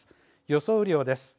予想雨量です。